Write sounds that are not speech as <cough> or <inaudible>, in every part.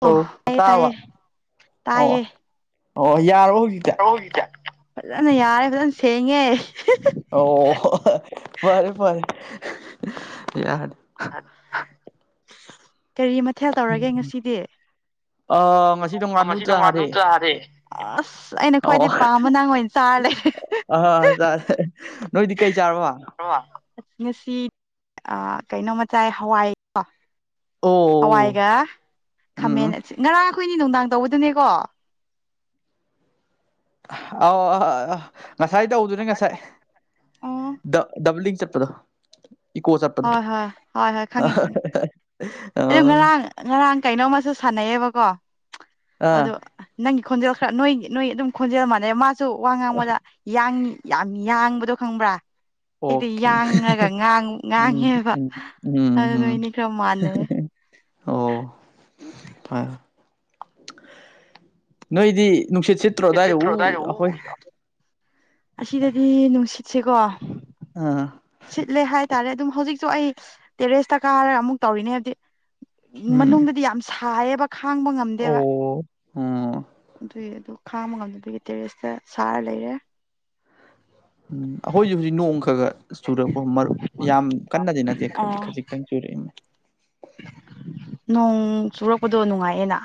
ꯑꯣ ꯇꯥꯏꯌꯦ ꯇꯥꯕ ꯑꯣ ꯇꯥꯏꯌꯦ ꯑꯣ ꯌꯥꯔꯥ ꯐꯖꯅ ꯌꯥꯔꯦ ꯐꯖꯅ ꯁꯦꯡꯉꯦ ꯑꯣ ꯐꯔꯦ ꯐꯔꯦ ꯌꯥꯅꯤ ꯑ <inaudible> ꯀꯔꯤ ꯃꯊꯦꯜ ꯇꯧꯔꯒꯦ ꯉꯁꯤꯗꯤ ꯑ ꯉꯁꯤꯗꯣ ꯉꯥꯅꯨ ꯉꯁꯤ ꯆꯥꯔꯦ ꯑꯁ ꯑꯩꯅ ꯑꯣ ꯈ꯭ꯋꯥꯏꯗꯩ ꯄꯥꯝꯕ ꯅꯪ ꯑꯣꯏꯅ ꯆꯥꯔ ꯂꯩꯔꯦ ꯑ ꯆꯔꯦ ꯅꯣꯏꯗꯤ ꯀꯩ ꯆꯥꯔꯕ ꯉꯁꯤ ꯀꯩꯅꯣ ꯃꯆꯥꯥꯏ ꯍꯋꯥꯏ ꯀꯣ ꯍꯋꯥꯏꯒ ꯑꯣ ꯈꯥꯃꯦꯟ ꯎꯝ ꯉꯔꯥꯡꯈꯣꯏꯅꯤ ꯅꯨꯡꯗꯥꯡ ꯇꯧꯕꯗꯨꯅꯦꯀꯣ ꯑ ꯑ ꯑ ꯉꯁꯥꯏ ꯇꯧꯗꯨꯅꯦ ꯉꯁꯥꯏ ꯑꯣ ꯗꯕꯂꯤꯡ ꯆꯠ ꯆꯠꯄ ꯏꯀꯣ ꯆꯠꯄꯗꯣ ꯍꯣꯏ ꯑꯗꯨ ꯉꯔꯥꯡ ꯑꯥ ꯉꯔꯥꯡ ꯀꯩꯅꯣꯝꯃꯨ ꯁꯥꯟꯅꯩꯌꯦꯕꯀꯣ ꯑꯗꯨ ꯅꯪ ꯈꯣꯟꯖꯦꯜ ꯈꯔ ꯅꯣꯏ ꯅꯣꯏ ꯑꯗꯨꯝ ꯈꯣꯟꯖꯦꯜ ꯃꯥꯟꯅꯩ ꯃꯥꯁꯨ ꯋꯥ ꯉꯥꯡꯕꯗ ꯌꯥꯡꯏꯤ ꯌꯥꯝ ꯌꯥꯡꯕꯗꯣ ꯈꯪꯕ꯭ꯔꯥ ꯑꯩꯗꯤ ꯑꯣꯀꯦ ꯌꯥꯡꯉꯒꯥꯡ ꯎꯝ ꯉꯥꯡꯉꯦꯕ ꯎꯝ ꯎꯝ ꯑꯗꯨ ꯅ ꯎꯝ ꯑꯅꯤ ꯈꯔ ꯃꯥꯟꯅꯩ ꯑꯣ ꯐꯔ ꯅꯣꯏꯗꯤ ꯅꯨꯡꯁꯤꯠ ꯁꯤꯠꯇ꯭ꯔꯣ ꯑꯗꯨꯋꯥꯏꯗ ꯎ ꯑꯩꯈꯣꯏ ꯑꯁꯤꯗꯗꯤ ꯅꯨꯡꯁꯤꯠꯁꯦꯀꯣ ꯑ ꯁꯤꯠꯂꯦ ꯍꯥꯏꯇꯥꯔꯦ ꯑꯗꯨꯝ ꯍꯧꯖꯤꯛꯁꯨ ꯑꯩ ꯇꯦꯔꯦꯁꯇ ꯀꯥꯔꯒ ꯑꯃꯨꯛ ꯇꯧꯔꯤꯅꯦ ꯍꯥꯏꯕꯗꯤ ꯎꯝ ꯃꯅꯨꯡꯗꯗꯤ ꯌꯥꯝ ꯁꯥꯏꯌꯦꯕ ꯈꯥꯡꯕ ꯉꯝꯗꯦꯕ ꯑꯣ ꯎꯝ ꯁꯨꯏ ꯑꯗꯨ ꯈꯥꯃ ꯉꯝꯗꯕꯒꯤ ꯇꯦꯔꯦꯁꯇ ꯁꯥꯔ ꯂꯩꯔꯦ ꯎꯝ ꯑꯍꯣꯏꯖꯨ ꯍꯧꯖꯤꯛ ꯅꯣꯡ ꯈꯒ ꯆꯨꯔꯛꯄ ꯃꯔꯨꯞ ꯌꯥꯝ ꯀꯟꯅꯗꯤ ꯅꯠꯇꯦ ꯈꯖꯤꯛ ꯑꯣ ꯈꯖꯤꯛꯇꯪ ꯆ ꯅꯣꯡ ꯆꯨꯔꯛꯄꯗꯣ ꯅꯨꯡꯉꯥꯏꯌꯦꯅ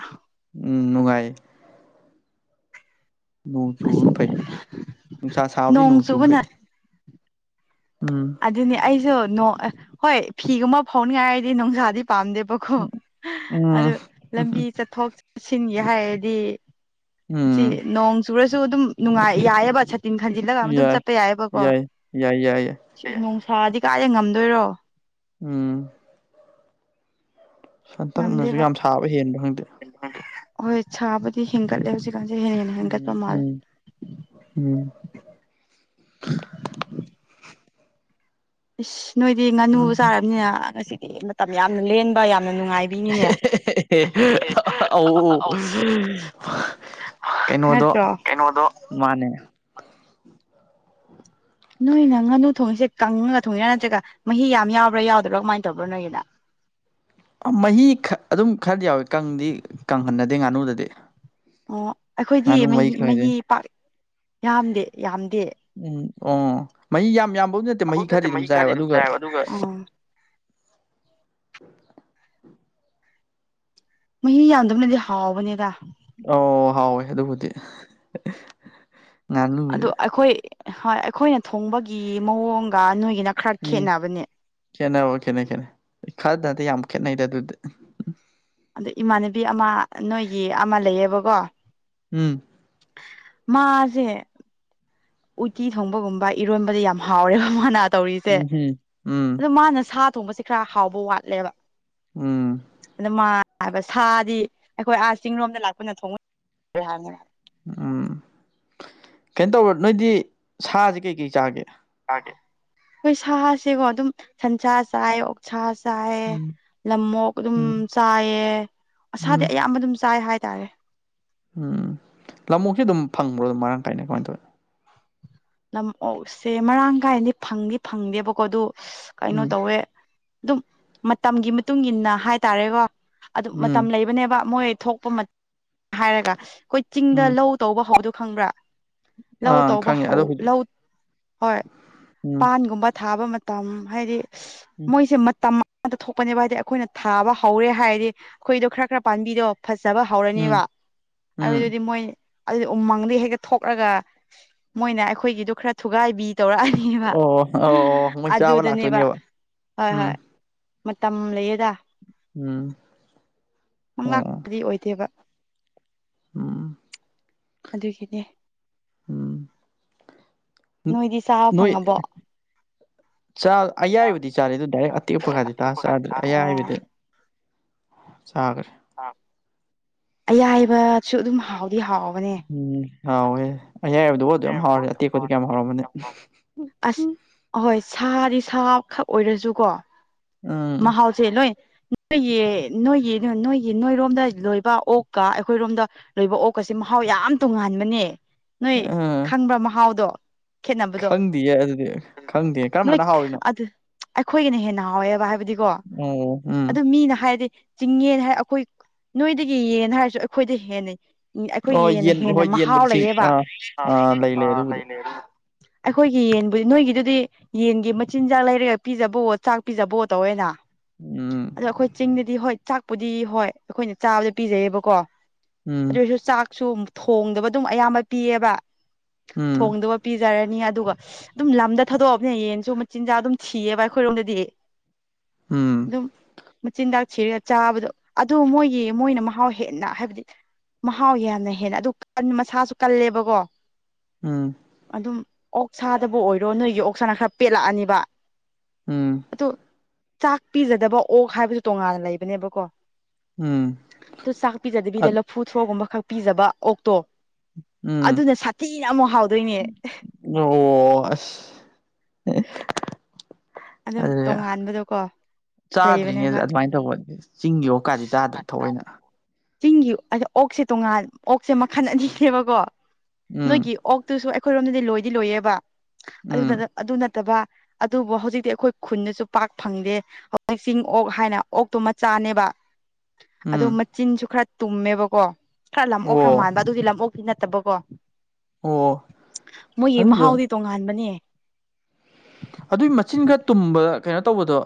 ꯎꯝ ꯅꯨꯡꯉꯥꯏ ꯑꯁ ꯅꯣꯡꯆꯨꯕꯅ ꯐꯩ ꯅꯨꯡꯁꯥ ꯁꯥꯕꯗꯤ ꯅꯣꯡ ꯆꯨꯕ ꯐꯩ ꯎꯝ ꯑꯗꯨꯅꯤ ꯑꯩꯁꯨ ꯍꯣꯏ ꯐꯤꯒꯨꯝꯕ ꯐꯥꯎꯅꯤꯡꯉꯥꯏ ꯍꯥꯏꯗꯤ ꯅꯨꯡꯁꯥꯗꯤ ꯄꯥꯝꯗꯦꯕꯀꯣ ꯎꯝ ꯑꯗꯨ ꯂꯝꯕꯤ ꯆꯠꯊꯣꯛ ꯆꯠꯁꯤꯟꯒꯦ ꯍꯥꯏꯔꯗꯤ ꯑꯁꯤ ꯎꯝ ꯅꯣꯡ ꯆꯨꯔꯁꯨ ꯑꯗꯨꯝ ꯅꯨꯡꯉꯥꯏ ꯌꯥꯏꯑꯕ ꯇꯤꯡ ꯍꯟꯖꯤꯜꯂꯒ ꯑꯃ ꯑꯗꯨꯝ ꯌꯥꯏ ꯆꯠꯄ ꯌꯥꯏꯑꯕꯀꯣ ꯌꯥꯏ ꯌꯥꯏ ꯌꯥꯏ ꯌꯥꯏ ꯊꯥꯗꯤ ꯀꯥꯗꯦ ꯉꯝꯗꯣꯏꯔꯣ ꯎꯝ ꯁꯟꯇꯛꯅꯁꯨ ꯉꯝꯗꯦꯕ ꯌꯥꯝ ꯁꯥꯕ ꯍꯦꯟꯕ ꯍꯪꯗ ꯍꯣꯏ ꯁꯥꯕꯗꯤ ꯍꯤꯡꯒꯠꯂꯦ ꯍꯧꯖꯤꯛ ꯍꯦꯜꯀꯠꯄ ꯎꯝ ꯃꯥꯂꯦ ꯎꯝ ꯎꯝ ꯎ <inaudible> ꯏꯁ ꯅꯣꯏꯗꯤ ꯉꯥꯅꯨ ꯎꯝ ꯆꯥꯔꯕꯅꯤꯅ ꯉꯁꯤꯗꯤ ꯃꯇꯝ ꯌꯥꯝꯅ ꯂꯦꯟꯕ ꯌꯥꯝ ꯑ <unintelligible> ꯀꯩꯅꯣꯗꯣ ꯅꯠꯇ꯭ꯔꯣ ꯀꯩꯅꯣꯗꯣ ꯃꯥꯅꯦ ꯅꯣꯏꯅ ꯉꯥꯅꯨ ꯊꯣꯡꯉꯤꯁꯦ ꯀꯪꯉꯒ ꯊꯣꯡꯉꯤꯔ ꯅꯠꯇ꯭ꯔꯒ ꯃꯍꯤ ꯌꯥꯝ ꯌꯥꯎꯕ꯭ꯔꯥ ꯌꯥꯎꯗꯕ꯭ꯔꯥ ꯀꯃꯥꯏꯅ ꯇꯧꯕ꯭ꯔꯥ ꯅꯣꯏꯒꯤꯅ <inaudible> ꯃꯍꯤ ꯑꯗꯨꯝ ꯈꯔꯗꯤ ꯌꯥꯎꯋꯦ ꯀꯪꯗꯤ ꯀꯪꯍꯟꯅꯗꯦ ꯉꯥꯅꯨꯗꯗꯤ ꯑꯣ ꯑꯩꯈꯣꯏꯗꯤ ꯉꯥꯅꯨ ꯈꯔꯗꯤ ꯃꯍꯤ ꯄꯥꯛ ꯌꯥꯝꯗꯦ ꯌꯥꯝꯗꯦ ꯎꯝ ꯑꯣ ꯃꯍꯤ ꯌꯥꯝ ꯌꯥꯝꯕꯕꯨꯗꯤ ꯅꯠꯇꯦ ꯃꯍꯤ ꯈꯔꯗꯤ ꯑꯗꯨꯝ ꯆꯥꯏꯑꯕ ꯑꯗꯨꯒ ꯃꯍꯤ ꯌꯥꯝꯟꯗꯕꯅꯗꯤ ꯍꯥꯎꯕꯅꯦꯗ ꯑꯣ ꯍꯥꯎꯋꯦ ꯑꯗꯨꯕꯨꯗꯤ ꯑ ꯉꯥꯅꯨꯗꯤ ꯑꯩꯈꯣꯏ ꯍꯣꯏ ꯑꯩꯈꯣꯏꯅ ꯊꯣꯡꯕꯒꯤ ꯃꯑꯣꯡꯒ ꯅꯣꯏ ꯎꯝ ꯈꯦꯅꯕ ꯈꯦꯅꯩ ꯈꯦꯠꯅꯩ ꯈꯔꯗ ꯅꯠꯇꯦ ꯌꯥꯝ ꯈꯦꯠꯅꯩꯗ ꯑꯗꯨꯗꯤ ꯅꯨꯕꯤ ꯑꯃ ꯅꯣꯏꯒꯤ ꯑꯃ ꯂꯩꯌꯦꯕꯀꯣ ꯎꯝ ꯃꯥꯁꯦ ꯎꯇꯤ ꯊꯣꯡꯕꯒꯨꯝꯕ ꯏꯔꯣꯟꯕꯗ ꯌꯥꯝ ꯍꯥꯎꯔꯦꯕ ꯃꯥꯅ ꯇꯧꯔꯤꯁꯦ ꯎꯝꯍꯨꯝ ꯎꯝ ꯑꯗꯣ ꯃꯥꯅ ꯁꯥ ꯊꯣꯡꯕꯁꯦ ꯈꯔ ꯍꯥꯎꯕ ꯋꯥꯠꯂꯦꯕ ꯎꯝ ꯑꯗ ꯃꯥ ꯍꯥꯏꯕ ꯁꯥꯗꯤ ꯑꯩꯈꯣꯏ ꯑꯥ ꯆꯤꯡꯔꯣꯝꯗ ꯂꯥꯛꯄꯅ ꯊꯣꯡꯕꯦ ꯍꯥꯏꯕꯅꯦ ꯎꯝ ꯀꯩꯅꯣ ꯇꯧꯕ ꯅꯣꯏꯗꯤ ꯁꯥꯁꯦ ꯀꯩꯀꯩ ꯆꯥꯒꯦ ꯑꯩꯈꯣꯏ ꯁꯥꯁꯤꯀꯣ ꯑꯗꯨꯝ ꯁꯟꯁꯥ ꯆꯥꯏ ꯑꯣꯛ ꯁꯥ ꯆꯥꯏꯌꯦ ꯎꯝ ꯂꯝꯃꯣꯛ ꯑꯗꯨꯝ ꯎꯝ ꯆꯥꯏꯌꯦ ꯑꯁꯥꯗꯤ ꯎꯝ ꯑꯌꯥꯝꯕ ꯑꯗꯨꯝ ꯆꯥꯏ ꯍꯥꯏ ꯇꯥꯔꯦ ꯎꯝ ꯂꯃꯨꯑꯣꯛꯁꯦ ꯑꯗꯨꯝ ꯐꯪꯕ꯭ꯔꯣ ꯑꯗꯨꯝ ꯃꯔꯥꯡ ꯀꯥꯏꯅ ꯀꯃꯥꯏꯅ ꯇꯧꯋꯦ ꯅꯝ ꯑꯣ ꯁꯦ ꯃꯔꯥꯡ ꯀꯥꯏꯅꯗꯤ ꯐꯪꯗꯤ ꯐꯪꯗꯦꯕꯀꯣ ꯑꯗꯨ ꯀꯩꯅꯣ ꯎꯝ ꯇꯧꯏ ꯑꯗꯨꯝ ꯃꯇꯝꯒꯤ ꯃꯇꯨꯡ ꯏꯟꯅ ꯍꯥꯏꯇꯥꯔꯦꯀꯣ ꯑꯗꯨꯝ ꯃꯇꯝ ꯎꯝ ꯂꯩꯕꯅꯦꯕ ꯃꯣꯏ ꯊꯣꯛꯄ ꯍꯥꯏꯔꯒ ꯑꯩꯈꯣꯏ ꯆꯤꯡꯗ ꯎꯝ ꯂꯧ ꯇꯧꯕ ꯍꯧꯗꯣ ꯈꯪꯕ꯭ꯔꯥ ꯂꯧ ꯑꯥ ꯇꯧꯕ ꯈꯪꯉꯦ ꯑꯗꯣ ꯍꯧ ꯍꯧꯖꯤꯛ ꯂꯧ ꯍꯣꯏ ꯎꯝ ꯄꯥꯟꯒꯨꯝꯕ ꯊꯥꯕ ꯃꯇꯝ ꯍꯥꯏꯗꯤ ꯎꯝ ꯃꯣꯏꯁꯦ ꯃꯇꯝ ꯑꯇ ꯊꯣꯛꯄꯅꯦꯕ ꯍꯥꯏꯗꯤ ꯑꯩꯈꯣꯏꯅ ꯊꯥꯕ ꯍꯧꯔꯦ ꯍꯥꯏꯔꯗꯤ ꯑꯩꯈꯣꯏꯗꯣ ꯈꯔ ꯈꯔ ꯄꯥꯟꯕꯤꯗꯣ ꯐꯖꯕ ꯎꯝ ꯍꯧꯔꯅꯦꯕ ꯎꯝ ꯑꯗꯨꯗꯨꯗꯤ ꯃꯣꯏ ꯑꯗꯨꯗꯤ ꯎꯃꯪꯗ ꯍꯦꯛꯇ ꯊꯣꯛꯂꯒ ꯃꯣꯏꯅ ꯑꯩꯈꯣꯏꯒꯤꯗꯨꯣ ꯈꯔ ꯊꯨꯒꯥꯏꯕꯤ ꯇꯧꯔꯛꯑꯅꯤꯕ ꯑꯣ ꯑꯣ ꯃꯣꯏ ꯆꯥꯕ ꯑꯗꯨꯗꯅꯦꯕ ꯂꯥꯛꯇꯣꯏꯅꯦꯕ ꯍꯣꯏ ꯎꯝ ꯍꯣꯏ ꯃꯇꯝ ꯂꯩꯌꯦꯗ ꯎꯝ ꯑꯣ ꯀ꯭ꯔꯤ ꯑꯣꯏꯗꯦꯕ ꯎꯝ ꯑꯗꯨꯒꯤꯅꯦ ꯎꯝ ꯅꯣꯏꯗꯤ ꯆꯥꯕ ꯅꯣꯏ ꯐꯪꯉꯕꯣ ꯑꯌꯥꯏꯕꯗꯤ ꯆꯥꯔꯦ ꯑꯗꯨ ꯗꯥꯏꯔꯦꯛ ꯑꯇꯦꯛ ꯄꯒꯗꯤ ꯇꯥ ꯆꯥꯗ꯭ꯔꯦ ꯑꯌꯥꯏꯕꯗꯤ ꯆꯒꯦ ꯫ ꯑꯌꯥꯏꯕꯁꯨ ꯑꯗꯨꯝ ꯍꯥꯎꯋ ꯎꯝ ꯍꯥꯎ ꯑ ꯂ ꯑꯗꯨ ꯌꯥꯝ ꯍꯥꯎꯔꯦ ꯌꯥꯇ ꯀꯣꯗꯤ ꯀ ꯌꯥꯝ ꯍꯥꯎꯔꯃꯅꯦ ꯑꯁ ꯑꯍꯣꯏ ꯁꯥꯗꯤ ꯁꯥ ꯈꯛ ꯑꯣꯏꯔꯁꯨꯀꯣ ꯎꯝ ꯃꯍꯥꯎꯁꯦꯂꯣꯏ ꯅꯣꯏꯒꯤ ꯅꯣꯏꯒꯤ ꯅꯣꯏꯒꯤ ꯅꯣꯏꯔꯣꯝꯗ ꯂꯣꯏꯕ ꯑꯣꯛꯀ ꯑꯩꯈꯣꯏꯔꯣꯝꯗ ꯂꯣꯏꯕ ꯑꯣꯛꯀ ꯑꯁꯤ ꯃꯍꯥꯎ ꯌꯥꯝ ꯇꯣꯡꯉꯥꯟꯕꯅꯦ ꯅꯣꯏ ꯈꯪꯕ ꯃꯍꯥꯎꯗꯣ ꯈꯦꯠꯅꯕꯗꯣ ꯈꯪꯗꯦꯌꯦ ꯑꯗꯨꯗꯤ ꯈꯪꯗꯦ ꯅꯣꯏ ꯀꯔꯝꯕꯅ ꯍꯥꯎꯔꯤꯅꯣ ꯑꯗꯨ ꯑꯩꯈꯣꯏꯒꯤꯅ ꯍꯦꯟꯅ ꯍꯥꯎꯋꯦꯕ ꯍꯥꯏꯕꯗꯤꯀꯣ ꯑꯣ ꯎꯝ ꯑꯗꯨ ꯃꯤꯅ ꯍꯥꯏꯔꯗꯤ ꯆꯤꯡꯉꯦ ꯍꯥꯏ ꯑꯩꯈꯣꯏ ꯅꯣꯏꯗꯒꯤ ꯌꯦꯟ ꯍꯥꯏꯔꯁꯨ ꯑꯩꯈꯣꯏꯗ ꯍꯦꯟꯅꯩ ꯑꯣ ꯑꯩꯈꯣꯏꯒꯤꯦꯟꯅ ꯌꯦꯟ ꯍꯣꯏ ꯍꯦꯟꯅ ꯃꯍꯥꯎ ꯌꯦꯟꯕꯨꯗꯤ ꯆꯤꯡ ꯂꯩꯌꯦꯕ ꯑꯥ ꯑꯥ ꯂꯩ ꯂꯩ ꯑꯗꯨꯕꯨꯗꯤ ꯑꯩꯈꯣꯏꯒꯤ ꯌꯦꯟꯕꯨꯗꯤ ꯅꯣꯏꯒꯤꯗꯨꯗꯤ ꯌꯦꯟꯒꯤ ꯃꯆꯤꯟꯖꯥꯛ ꯂꯩꯔꯒ ꯄꯤꯖꯕꯣꯠ ꯆꯥꯛ ꯄꯤꯖꯕꯣꯠ ꯇꯧꯋꯦꯗ ꯎꯝ ꯑꯗ ꯑꯩꯈꯣꯏ ꯆꯤꯡꯗꯗꯤ ꯍꯣꯏ ꯆꯥꯛꯄꯨꯗꯤ ꯍꯣꯏ ꯑꯩꯈꯣꯏꯅ ꯆꯥꯕꯗ ꯄꯤꯖꯩꯌꯦꯕꯀꯣ ꯎꯝ ꯑꯗꯨꯔꯁꯨ ꯆꯥꯛꯁꯨ ꯊꯣꯡꯗꯨꯕ ꯑꯗꯨꯝ ꯑꯌꯥꯝꯕ ꯄꯤꯌꯦꯕ ꯎꯝ ꯊꯣꯡꯗꯨꯕ ꯄꯤꯖꯔꯅꯤ ꯑꯗꯨꯒ ꯑꯗꯨꯝ ꯂꯝꯗ ꯊꯥꯗꯣꯛꯑꯕꯅ ꯌꯦꯟꯁꯨ ꯃꯆꯤꯟꯖꯥꯛ ꯑꯗꯨꯝ ꯊꯤꯑꯕ ꯑꯩꯈꯣꯏꯔꯣꯝꯗꯗꯤ ꯎꯝ ꯑꯗꯨꯝ ꯃ ꯆꯤꯟꯖ ꯁꯤꯔꯒ ꯆꯥꯕꯗꯣ ꯑꯗꯨ ꯃꯣꯏꯒꯤ ꯃꯣꯏꯅ ꯃꯍꯥꯎ ꯍꯦꯟꯅ ꯍꯥꯏꯕꯗꯤ ꯃꯍꯥꯎ ꯌꯥꯝꯅ ꯍꯦꯟꯅ ꯑꯗꯨ ꯃꯁꯥꯁꯨ ꯀꯜꯂꯦꯕꯀꯣ ꯎꯝ ꯑꯗꯨꯝ ꯑꯣꯛꯁꯥꯗꯕꯨ ꯑꯣꯏꯔꯣ ꯅꯣꯏꯒꯤ ꯑꯣꯛꯁꯥꯅ ꯈꯔ ꯄꯦꯜꯂꯛꯑꯅꯤꯕ ꯎꯝ ꯑꯗꯨ ꯆꯥꯛ ꯄꯤꯖꯗꯕ ꯑꯣꯛ ꯍꯥꯏꯕꯁꯨ ꯇꯣꯡꯉꯥꯟꯅ ꯂꯩꯕꯅꯦꯕꯀꯣ ꯎꯝ ꯑꯗꯨꯣ ꯆꯥꯛ ꯄꯤꯖꯗꯕꯤꯗ ꯑꯠ ꯂꯐꯨ ꯊ꯭ꯔꯣꯒꯨꯝꯕ ꯈꯛ ꯄꯤꯖꯕ ꯑꯣꯛꯇꯣ ꯎꯝ ꯑꯗꯨꯅ ꯁꯥꯊꯤꯅ ꯑꯃꯨꯛ ꯍꯥꯎꯗꯣꯏꯅꯦ <unintelligible> ꯑꯣ ꯑꯁ ꯑꯗꯨꯝ ꯑꯗꯨ ꯇꯣꯉꯥꯟꯕꯗꯣꯀꯣ ꯆꯥꯗ꯭ꯔꯤꯅꯦ ꯂꯩꯕꯅꯦꯕ ꯑꯗꯨꯃꯥꯏꯅ ꯇꯧꯕꯅꯦ ꯆꯤꯡꯒꯤ ꯑꯣꯨꯛ ꯀꯥꯗꯤ ꯆꯥꯗ꯭ꯔꯦ ꯊꯑꯣꯏꯅ ꯆꯤꯡꯒꯤ ꯑ ꯑꯣꯛꯁꯦ ꯇꯣꯉꯥꯟ ꯑꯣꯛꯁꯦ ꯃꯈꯜ ꯑꯅꯤꯅꯦꯕꯀꯣ ꯎꯝ ꯅꯣꯏꯒꯤ ꯑꯣꯛꯇꯨꯁꯨ ꯑꯩꯈꯣꯏꯔꯣꯝꯗꯗꯤ ꯂꯣꯏꯗꯤ ꯂꯣꯏꯌꯦꯕ ꯑꯗꯨ ꯎꯝ ꯑꯗꯨ ꯅꯠꯇꯕ ꯑꯗꯨꯕꯨ ꯍꯧꯖꯤꯛꯇꯤ ꯑꯩꯈꯣꯏ ꯈꯨꯟꯗꯁꯨ ꯄꯥꯛ ꯐꯪꯗꯦ ꯍꯧꯖꯤꯛ ꯆꯤꯡ ꯑꯣꯛ ꯍꯥꯏꯅ ꯑꯣꯛꯇꯨ ꯃꯆꯥꯅꯦꯕ ꯑꯗꯣ ꯎꯝ ꯃꯆꯤꯟꯁꯨ ꯈꯔ ꯇꯨꯝꯃꯦꯕꯀꯣ ꯈꯔ ꯂꯐꯣꯛ ꯈꯔ ꯑꯣ ꯃꯥꯟꯕ ꯑꯗꯨꯗꯤ ꯂꯝꯣꯛ ꯁꯤ ꯅꯠꯇꯕꯀꯣ ꯑꯣ ꯃꯣꯏꯒꯤ ꯑꯗꯨꯗꯣ ꯃꯍꯥꯎꯗꯤ ꯇꯣꯉꯥꯟꯕꯅꯦ ꯑꯗꯨꯏ ꯃꯆꯤꯟ ꯈ ꯇꯨꯝꯕꯗ ꯀꯩꯅꯣ ꯇꯧꯕꯗꯣ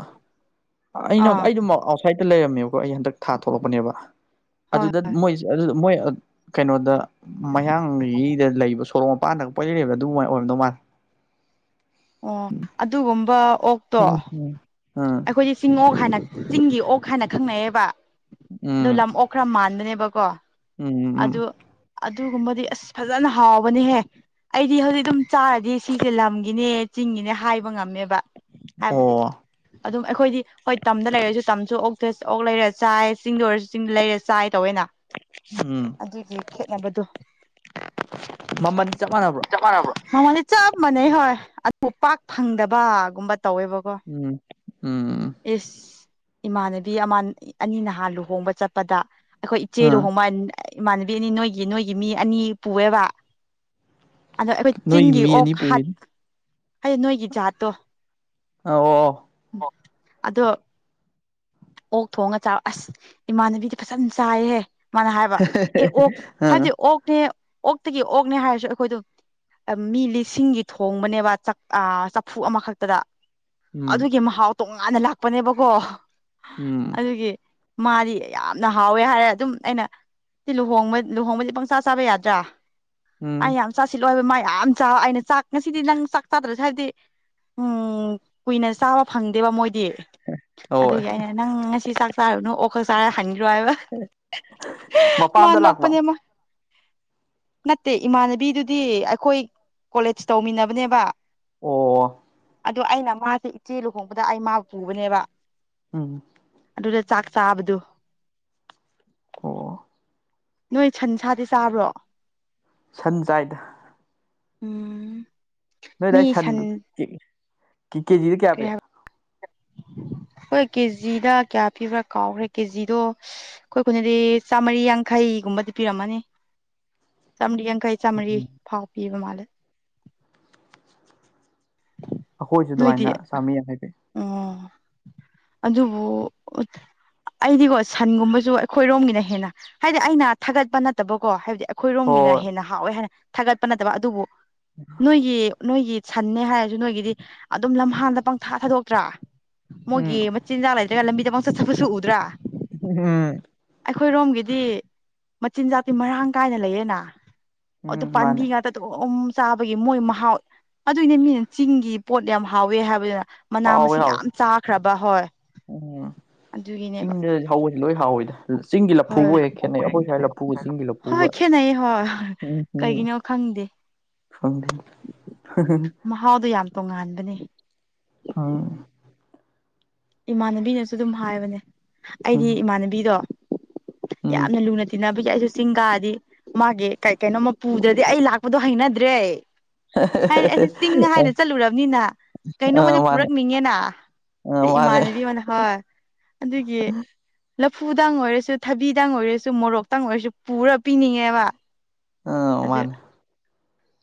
ꯑꯩꯅ ꯑꯥ ꯑꯩꯗꯨ ꯑꯥꯎꯠꯁꯥꯏꯗꯠꯇ ꯂꯩꯔꯝꯃꯦꯕ ꯑꯩ ꯍꯟꯗꯛ ꯊꯥ ꯊꯣꯛꯂꯛꯄꯅꯦꯕ ꯍꯣꯏ ꯑꯗꯨꯗ ꯃꯣꯏ ꯀꯩꯅꯣꯗ ꯃꯌꯥꯡꯒꯤꯗ ꯂꯩꯕ ꯁꯣꯔꯣꯛ ꯃꯄꯥꯟꯗ ꯀꯣꯏ ꯂꯩ ꯂꯩꯗ ꯑꯗꯨꯃꯥꯏꯅ ꯑꯣꯏꯔꯝꯗꯧ ꯃꯥꯜꯂꯦ ꯑꯣ ꯑꯗꯨꯒꯨꯝꯕ ꯑꯣꯛꯇꯣ ꯍꯝ ꯍꯝ ꯑꯩꯈꯣꯏꯗꯤ ꯆꯤꯡ ꯑꯣꯛ ꯍꯥꯏꯅ ꯆꯤꯡꯒꯤ ꯑꯣꯛ ꯍꯥꯏꯅ ꯈꯪꯅꯩꯑꯕ ꯑꯣ ꯎꯝ ꯂꯝ ꯑꯣꯛ ꯈꯔ ꯃꯥꯟꯗꯅꯦꯕꯀꯣ ꯎꯝ ꯎꯝ ꯑꯗꯨꯒꯨꯝꯕꯗꯤ ꯑꯁ ꯐꯖꯅ ꯍꯥꯎꯕꯅꯦꯍꯦ ꯑꯩꯗꯤ ꯍꯧꯖꯤꯛ ꯑꯗꯨꯝ ꯆꯥꯔꯗꯤ ꯁꯤꯁꯦ ꯂꯝꯒꯤꯅꯦ ꯆꯤꯡ ꯃꯤꯅꯦ ꯍꯥꯏꯕ ꯉꯝꯃꯦꯕ ꯍꯥꯏꯕꯗꯤ ꯑꯣ ꯑꯗꯨꯝ ꯑꯩꯈꯣꯏꯗꯤ ꯍꯣꯏ ꯇꯝꯗ ꯂꯩꯔꯁꯨ ꯇꯝꯁꯨ ꯑꯣꯛꯇ ꯑꯣꯛ ꯂꯩꯔ ꯆꯥꯏ ꯆꯤꯡꯗ ꯑꯣꯏꯔꯁꯨ ꯆꯤꯡ ꯂꯩꯔ ꯆꯥꯏ ꯇꯧꯋꯦꯅ ꯎꯝ ꯑꯗꯨꯒꯤ ꯈꯦꯠꯅꯕꯗꯣ ꯃꯃꯜꯗꯤ ꯃꯥꯟꯅꯕ꯭ꯔꯣ ꯆꯞ ꯃꯥꯟꯅꯕ꯭ꯔꫭ ꯃꯃꯜꯗꯤ ꯆꯞ ꯃꯥꯟꯅꯩ ꯍꯣꯏ ꯑꯗꯨꯕꯨ ꯄꯥꯛ ꯐꯪꯗꯕꯒꯨꯝꯕ ꯇꯧꯋꯦꯕꯀꯣ ꯎꯝ ꯎꯝ ꯏꯁ ꯏꯃꯥꯟꯅꯕꯤ ꯑꯃ ꯑꯅꯤ ꯅꯍꯥꯟ ꯂꯨꯍꯣꯡꯕ ꯆꯠꯄꯗ ꯑꯩꯈꯣꯏ ꯏꯆꯦ ꯑꯥ ꯂꯨꯍꯣꯡꯕ ꯏꯃꯥꯟꯅꯕꯤ ꯑꯅꯤ ꯅꯣꯏꯒꯤ ꯅꯣꯏꯒꯤ ꯃꯤ ꯑꯅꯤ ꯄꯨꯑꯦꯕ ꯑꯗꯣ ꯑꯩꯈꯣꯏ ꯅꯣꯏꯒꯤ ꯆꯤꯡꯒꯤ ꯃꯤ ꯑꯣꯛ ꯑꯅꯤ ꯄꯨꯏ ꯍꯠ ꯍꯥꯏꯗꯤ ꯅꯣꯏꯒꯤ ꯖꯥꯠꯇꯣ ꯑ ꯑꯣ ꯑꯗꯣ ꯑꯣꯛ ꯊꯣꯡꯉ ꯆꯥꯕ ꯑꯁ ꯏꯃꯥꯟꯅꯕꯤꯗꯤ ꯐꯖꯅ ꯆꯥꯏꯍꯦ ꯃꯥꯅ ꯍꯥꯏꯕ ꯑꯦ ꯑꯣꯛ ꯑꯥ ꯍꯥꯏꯗꯤ ꯑꯣꯛꯅꯦ ꯑꯣꯛꯇꯒꯤ ꯑꯣꯛꯅꯦ ꯍꯥꯏꯔꯁꯨ ꯑꯩꯈꯣꯏꯗꯝ ꯃꯤ ꯂꯤꯁꯤꯡꯒꯤ ꯊꯣꯡꯕꯅꯦꯕ ꯆꯛ ꯆꯐꯨ ꯑꯃꯈꯛꯇꯗ ꯎꯝ ꯑꯗꯨꯒꯤ ꯃꯍꯥꯎ ꯇꯣꯉꯥꯟꯅ ꯂꯥꯛꯄꯅꯦꯕꯀꯣ ꯎꯝ ꯑꯗꯨꯒꯤ ꯃꯥꯗꯤ ꯌꯥꯝꯅ ꯍꯥꯎꯋꯦ ꯍꯥꯏꯔꯦ ꯑꯗꯨꯝ ꯑꯩꯅ ꯁꯤ ꯂꯨꯍꫭꯡꯕ ꯂꯨꯍꯣꯡꯕꯗꯤ ꯄꯪꯆꯥ ꯆꯥꯕ ꯌꯥꯗ꯭ꯔꯥ ꯑꯩ ꯎꯝ ꯌꯥꯝ ꯆꯥꯁꯤꯜꯂꯣꯍꯥꯏꯕ ꯃꯥ ꯌꯥꯝ ꯆ ꯑꯩꯅ ꯆꯥꯛ ꯉꯁꯤꯗꯤ ꯅꯪ ꯆꯥꯛ ꯆꯥꯗ꯭ꯔ ꯍꯥꯏꯕꯗꯤ ꯎꯝ ꯀꯨꯏꯅ ꯆꯥꯕ ꯐꯪꯗꯦꯕ ꯃꯣꯏꯗꯤ ꯍꯣꯏ ꯑꯗꯨꯒꯤ ꯑꯩꯅ ꯅꯪ ꯉꯁꯤ ꯆꯥꯛ ꯆꯥꯔꯨꯅꯨ ꯑꯣꯛꯈꯛ ꯆꯥꯔ ꯍꯟ ꯔꫭ ꯍꯥꯏꯕ ꯃꯥ ꯃꯄꯥꯝꯗ ꯂꯥꯛꯄ ꯅꫭꯛꯄꯅꯦ ꯃꯥ ꯅꯠꯇꯦ ꯏꯃꯥꯟꯅꯕꯤꯗꯨꯗꯤ ꯑꯩꯈꯣꯏ ꯀꯣꯂꯦꯖ ꯇꯧꯃꯤꯟꯅꯕꯅꯦꯕ ꯑꯣ ꯑꯗꯨ ꯑꯩꯅ ꯃꯥꯁꯦ ꯏꯆꯦ ꯂꯨꯍꯣꯡꯕꯗ ꯑꯩ ꯃꯥꯕꯨ ꯄꯨꯕꯅꯦꯕ ꯎꯝ ꯑꯗꯨꯗ ꯆꯥꯛ ꯆꯥꯕꯗꯨ ꯑꯣ ꯅꯣꯏ ꯁꯟ ꯁꯥꯗꯤ ꯆꯥꯕ꯭ꯔꯣ ꯁꯟꯆꯥꯏꯗ ꯎꯝ ꯅꯣꯏ ꯃꯤ ꯑꯗꯥꯏ ꯁꯥꯟꯗꯨ ꯁꯟ <unintelligible> ꯀꯦ ꯀꯦꯖꯤꯗ ꯀꯌꯥ ꯀꯩ ꯄꯤ ꯍꯥꯏꯕ <inaudible> ꯑꯩꯈꯣꯏ ꯀꯦꯖꯤꯗ ꯀꯌꯥ ꯄꯤꯕ꯭ꯔꯥ ꯀꯥꯎꯈ꯭ꯔꯦ ꯀꯦꯖꯤꯗꯣ ꯑꯩꯈꯣꯏ ꯈꯨꯟꯗꯗꯤ ꯆꯥꯝꯃꯔꯤ ꯌꯥꯡꯈꯩ ꯑꯩ ꯒꯨꯝꯕꯗꯤ ꯄꯤꯔꯝꯃꯔꯤ ꯌꯥꯡꯈꯩ ꯆꯥꯝꯃꯔꯤ ꯎꯝ ꯐꯥꯎ ꯄꯤꯕ ꯃꯥꯜꯂꯦ ꯑꯩꯈꯣꯏꯁꯨ ꯑꯗꯨꯃꯥꯏꯅ ꯅꯣꯏꯗꯤ ꯆꯥꯝꯃꯔꯤ ꯌꯥꯡꯈꯩ ꯄꯤ ꯑꯣ ꯑꯗꯨꯕꯨ ꯑꯩꯗꯤꯀꯣ ꯁꯟꯒꯨꯝꯕꯁꯨ ꯑꯩꯈꯣꯏꯔꯣꯝꯒꯤꯅ ꯍꯦꯟꯅ ꯍꯥꯏꯗꯤ ꯑꯩꯅ ꯊꯥꯒꯠꯄ ꯅꯠꯇꯕꯀꯣ ꯍꯥꯏꯕꯗꯤ ꯑꯩꯈꯣꯏꯔꯣꯝꯒꯤꯅ ꯍꯣꯏ ꯍꯦꯟꯅ ꯍꯥꯎꯋꯦ ꯍꯥꯏꯅ ꯊꯥꯒꯠꯄ ꯅꯠꯇꯕ ꯑꯗꯨꯕꯨ ꯅꯣꯏꯒꯤ ꯅꯣꯏꯒꯤ ꯁꯟꯅꯟꯅꯦ ꯍꯥꯏꯔ ꯅꯣꯏꯒꯤꯗꯤ ꯑꯗꯨꯝ ꯂꯝꯍꯥꯟꯗ ꯄꯪꯊꯥ ꯊꯥꯗꯣꯛꯇ꯭ꯔꯥ ꯎꯝ ꯃꯣꯏꯒꯤ ꯃꯆꯤꯟꯖꯥꯛ ꯂꯩꯇ꯭ꯔꯒ ꯂꯝꯕꯤ ꯗ ꯄꯪꯆꯠ ꯆꯠꯄꯁꯨ ꯎꯗ꯭ꯔꯥ ꯎꯝ ꯑꯩꯈꯣꯏꯔꯣꯝꯒꯤꯗꯤ ꯃꯆꯤꯟꯖꯥꯛꯇꯤ ꯃꯔꯥꯡ ꯀꯥꯏꯅ ꯂꯩꯌꯦꯅ ꯑꯗꯨ ꯎꯝ ꯃꯥꯅꯦ ꯄꯥꯝꯕꯤ ꯉꯥꯛꯇ ꯑꯗꯨꯝ ꯆꯥꯕꯒꯤ ꯃꯣꯏ ꯃꯍꯥꯎ ꯑꯗꯨꯏꯅꯦ ꯃꯤꯅ ꯆꯤꯡꯒꯤ ꯄꯣꯠ ꯌꯥꯝ ꯍꯥꯎꯋꯦ ꯍꯥꯏꯕꯗꯨꯅ ꯃꯅꯥ ꯍꯥꯎꯋꯦ ꯃꯁꯤꯡ ꯍꯥꯎꯋꯦ ꯌꯥꯝ ꯆꯥꯈ꯭ꯔꯕ ꯍꯣꯏ ꯎꯝ ꯑꯗꯨꯒꯤꯅꯦꯕ ꯆꯤꯡꯗ ꯍꯧꯕꯁꯦ ꯂꯣꯏ ꯍꯥꯎꯋꯤꯗ ꯆꯤꯡꯒꯤ ꯂꯐꯨꯕꯨ ꯍꯣꯏ ꯍꯦꯛ ꯈꯦꯠꯅꯩ ꯑꯩꯈꯣꯏ ꯁ꯭ꯋꯥꯏ ꯂꯐꯨꯒ ꯆꯤꯡꯒꯤ ꯍꯣꯏ ꯂꯐꯨꯒ ꯈꯦꯠꯅꯩ ꯍꯣꯏ <unintelligible> ꯀꯩꯒꯤꯅꯣ ꯈꯪꯗꯦ ꯈꯪꯗꯦ <unintelligible> ꯃꯍꯥꯎꯗꯣ ꯌꯥꯝ ꯇꯣꯉꯥꯟꯕꯅꯦ ꯑ ꯏꯃꯥꯟꯅꯕꯤꯅꯁꯨ ꯑꯗꯨꯝ ꯍꯥꯏꯕꯅꯦ ꯑꯩꯗꯤ ꯎꯝ ꯏꯃꯥꯟꯅꯕꯤꯗꯣ ꯎꯝ ꯌꯥꯝꯅ ꯂꯨꯅ ꯇꯤꯟꯅꯕ ꯕꯁꯦ ꯑꯩꯁꯨ ꯆꯤꯡꯀꯥꯔꯗꯤ ꯃꯥꯒꯤ ꯀꯩ ꯀꯩꯅꯣꯃ ꯄꯨꯗ꯭ꯔꯗꯤ ꯑꯩ ꯂꯥꯛꯄꯗꯣ ꯍꯩꯅꯗ꯭ꯔꯦ ꯍꯥꯏꯗꯤ ꯑꯩꯁꯦ ꯆꯤꯡ ꯍꯥꯏꯅ ꯆꯠꯂꯨꯔꯕꯅꯤꯅ ꯑ ꯀꯩꯅꯣꯝꯃꯗꯤ ꯃꯥꯅꯦ ꯄꯨꯔꯛꯅꯤꯡꯉꯦꯅ ꯁꯤ ꯑ ꯃꯥꯅꯦ ꯏꯃꯥꯟꯅꯕꯤ ꯑꯃꯅ ꯍꯣꯏ ꯑꯗꯨꯒꯤ ꯂꯐꯨꯗꯪ ꯑꯣꯏꯔꯁꯨ ꯊꯕꯤꯗꯪ ꯑꯣꯏꯔꯁꯨ ꯃꯣꯔꯣꯛꯇꯪ ꯑꯣꯏꯔꯁꯨ ꯄꯨꯔ ꯄꯤꯅꯤꯡꯉꯦꯕ ꯑ ꯑꯗꯨ ꯃꯥꯅꯦ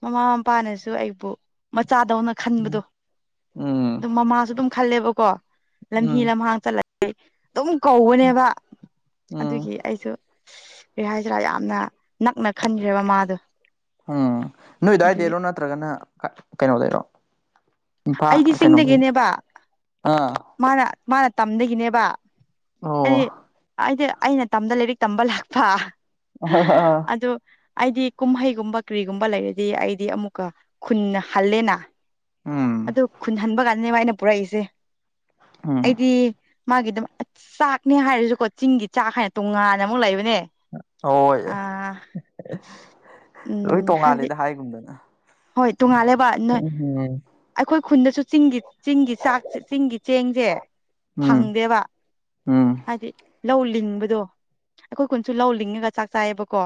ꯃꯃꯥ ꯃꯄꯥꯅꯁꯨ ꯑꯩꯕꯨ ꯃꯆꯥꯗꯧꯅ ꯈꯟꯕꯗꯣ ꯎꯝ ꯑꯗꯨꯝ ꯃꯃꯥꯁꯨ ꯑꯗꯨꯝ ꯈꯜꯂꯦꯕꯀꯣ ꯂꯝꯍꯤ ꯎꯝ ꯂꯝꯍꯥꯡ ꯆꯠꯂ ꯑꯗꯨꯝ ꯀꯧꯕꯅꯦꯕ ꯎꯝ ꯑꯗꯨꯒꯤ ꯑꯩꯁꯨ ꯑꯦ ꯍꯥꯏꯁꯤꯔꯥ ꯌꯥꯝꯅ ꯅꯛꯅ ꯈꯟꯈ꯭ꯔꯦꯕ ꯃꯥꯗꯣ ꯑꯗꯨꯒꯤ ꯅꯣꯏꯗꯥꯏꯗꯩꯔꯣ ꯅꯠꯇ꯭ꯔꯒꯅ ꯀꯩꯅꯣꯗꯔꯣ ꯑꯩꯗꯤ ꯆꯤꯡꯗꯒꯤꯅꯦꯕ ꯑꯥ ꯃꯥꯅ ꯃꯥꯅ ꯇꯝꯗꯒꯤꯅꯦꯕ ꯑꯣ ꯍꯥꯏꯗꯤ ꯍꯥꯏꯗꯤ ꯑꯩꯅ ꯇꯝꯗ ꯂꯥꯏꯔꯤꯛ ꯇꯝꯕ ꯂꯥꯛꯄ ꯑ ꯑꯗꯨ ꯑꯩꯗꯤ ꯀꯨꯝꯍꯩꯒꯨꯝꯕ ꯀ꯭ꯔꯤꯒꯨꯝꯕ ꯂꯩꯔꯗꯤ ꯑꯩꯗꯤ ꯑꯃꯨꯛꯀ ꯈꯨꯟꯅ ꯍꯜꯂꯦꯅ ꯎꯝ ꯑꯗꯨ ꯈꯨꯟꯍꯟꯕ ꯀꯥꯟꯗꯅꯦꯕ ꯑꯩꯅ ꯄꯨꯔꯛꯏꯁꯦ ꯎꯝ ꯑꯩꯗꯤ ꯃꯥꯒꯤ ꯑꯗꯨ ꯆꯥꯛꯅꯦ ꯍꯥꯏꯔꯁꯨꯀꯣ ꯆꯤꯡꯒꯤ ꯆꯥꯛ ꯍꯥꯏꯅ ꯇꯣꯡꯉꯥꯟꯅ ꯑꯃꯨꯛ ꯂꯩꯕꯅꯦ ꯍꯣꯏ ꯑ ꯎꯝ ꯂꯣꯏ ꯍꯥꯏꯗꯤ ꯇꯣꯡꯉꯥꯜꯂꯦꯗ ꯍꯥꯏꯒꯨꯝꯗꯅ ꯍꯣꯏ ꯇꯣꯡꯉꯥꯜꯂꯦꯕ ꯅꯣꯏ ꯎꯝ ꯑꯩꯈꯣꯏ ꯈꯨꯟꯗꯁꯨ ꯆꯤꯡꯒꯤ ꯆꯤꯡꯒꯤ ꯆꯥꯛꯁ ꯆꯤꯡꯒꯤ ꯆꯦꯡꯁꯦ ꯎꯝ ꯐꯪꯗꯦꯕ ꯎꯝ ꯍꯥꯏꯗꯤ ꯂꯧ ꯂꯤꯡꯕꯗꯣ ꯑꯩꯈꯣꯏ ꯀꯨꯟꯁꯨ ꯂꯧ ꯂꯤꯡꯉꯒ ꯆꯥꯛ ꯆꯥꯏꯌꯦꯕꯀꯣ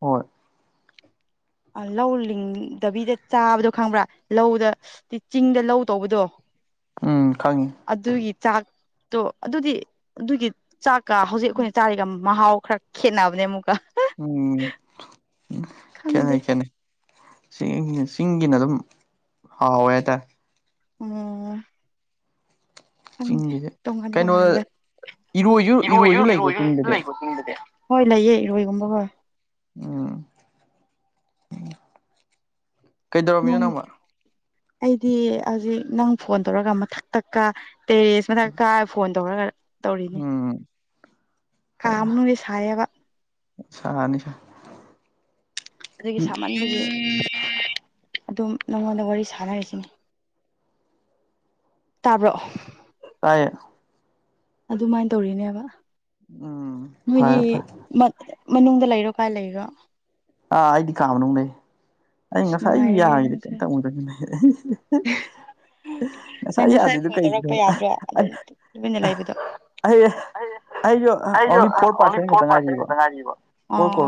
ꯍꯣꯏ ꯂꯧ ꯂꯤꯡꯂꯤ ꯗꯕꯤꯗ ꯆꯥꯕꯗꯣ ꯈꯪꯕ꯭ꯔꯥ ꯂꯧꯗ ꯆꯤꯡꯗ ꯂꯧ ꯇꯧꯕꯗꯣ ꯎꯝ ꯈꯪꯉꯤ ꯑꯗꯨꯒꯤ ꯆꯥꯛꯇꯣ ꯑꯗꯨꯗꯤ ꯑꯗꯨꯒꯤ ꯆꯥꯛꯀ ꯍꯧꯖꯤꯛ ꯑꯩꯈꯣꯏꯅ ꯆꯥꯔꯤꯒ ꯃꯍꯥꯎ ꯈꯔ ꯈꯦꯠꯅꯕꯅꯦ ꯑꯃꯨꯛꯀ ꯎꯝ ꯈꯪꯗꯦ ꯆꯤꯡꯅ ꯑꯗꯨꯝ ꯍꯥꯎꯋꯦ ꯍꯥꯏꯇꯥꯔꯦ ꯑꯣꯝ ꯈꯪꯗꯦ ꯆꯤꯡꯒꯤꯁꯦ ꯀꯩꯅꯣ ꯏꯔꯣꯏꯁꯨ ꯏꯔꯣꯏꯁꯨ ꯂꯩꯀꯣ ꯆꯤꯡꯗꯗꯤ <unintelligible> <inaudible> ꯍꯣꯏ ꯂꯩꯌꯦ ꯏꯔꯣꯏꯒꯨꯝꯕ ꯎꯝ ꯀꯩꯗꯧꯔꯝꯃꯤꯅꯣ ꯅꯣꯡ ꯅꯪꯕꯣ ꯑꯩꯗꯤ ꯍꯧꯖꯤꯛ ꯅꯪ ꯐꯣꯟ ꯇꯧꯔꯒ ꯃꯊꯛꯛꯇꯛꯀ ꯇꯦꯔꯦꯁ ꯃꯊꯛꯀ ꯐꯣꯟ ꯇꯧꯔꯒ ꯎꯝ ꯀꯥꯝꯅ ꯁꯌꯦꯕ ꯁꯥꯅꯤ ꯑꯗꯨꯒꯤ ꯁꯥꯃꯟꯕꯒꯤ ꯑꯗꯨꯝ ꯅꯪꯉꯣꯟꯗ ꯋꯥꯔꯤ ꯁꯥꯟꯅꯔꯤꯁꯤꯅꯤ ꯇꯥꯕ꯭ꯔꯣꯑꯣ ꯇꯥꯏꯌꯦ ꯑꯗꯨꯃꯥꯏꯅ ꯇꯧꯔꯤꯅꯦꯕ ꯎꯝ ꯅꯣꯏꯒꯤ ꯐꯔꯦ ꯐꯔꯦ ꯃꯅꯨꯡꯗ ꯂꯩꯔꯣ ꯀꯥꯏ ꯂꯩꯒꯣ ꯑꯥ ꯑꯩꯗꯤ ꯀꯥꯝꯅꯨꯡ ꯂꯩ ꯑꯩ ꯑꯁ ꯉꯁꯥꯏ ꯑꯩ ꯅꯨꯡꯉꯥꯏꯔꯦꯍꯦ ꯌꯥꯈꯤꯗꯤ ꯅꯪꯁꯨ ꯀꯔꯤꯝꯇꯧꯗꯦ ꯅꯪ ꯉꯁꯥꯏ ꯌꯥꯗꯣꯏꯗꯨ ꯐꯣꯟ ꯀꯩꯒꯤꯅꯣ ꯇꯧꯔꯛꯄ ꯌꯥꯗ꯭ꯔꯣ ꯑꯗꯨꯝ ꯇꯨꯃꯤꯟꯅ ꯂꯩꯕꯗꯣ ꯑꯩ ꯑꯩꯁꯨ ꯑꯣꯡꯂꯤ ꯐꯣꯔ ꯄꯥꯔꯁꯦꯟ ꯈꯛꯇ ꯉꯥꯏꯔꯤꯕ ꯐꯣꯔ <unintelligible>